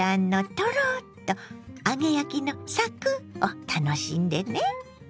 トロッと揚げ焼きのサクッを楽しんでね。